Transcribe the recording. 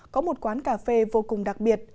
có một quán cà phê vô cùng đặc biệt